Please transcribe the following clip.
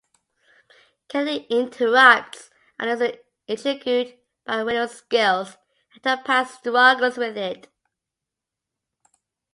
Kennedy interrupts and is intrigued by Willow's skills and her past struggles with it.